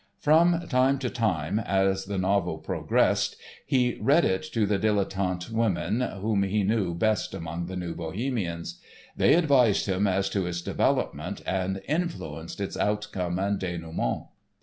From time to time, as the novel progressed, he read it to the dilettante women whom he knew best among the New Bohemians. They advised him as to its development, and "influenced" its outcome and dénouement.